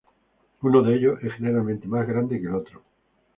Uno de ellos es generalmente más grande que el otro.